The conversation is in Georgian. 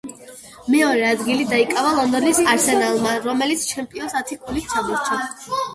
მეორე ადგილი დაიკავა ლონდონის „არსენალმა“, რომელიც ჩემპიონს ათი ქულით ჩამორჩა.